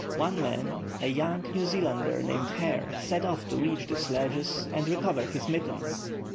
One man, a young New Zealander named Hare, set off to reach the sledges and recover his mittens.